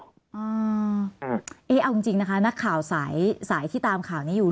อ่าเอ๊เอ้ยเอาจริงจริงนะคะนักข่าวสายสายที่ตามข่าวนี้อยู่